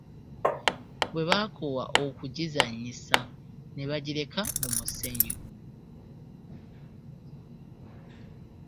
Bwe baakoowa okugizannyisa ne bagireka mu musenyu.